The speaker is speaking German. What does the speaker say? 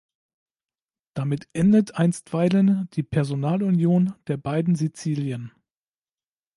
Damit endet einstweilen die Personalunion der „beiden Sizilien“.